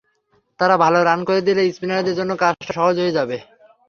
তারা ভালো রান করে দিলে স্পিনারদের জন্য কাজটা সহজ হয়ে যাবে।